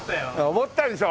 思ったでしょ？